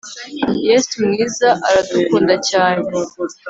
Yesu mwiza aradukunda cyane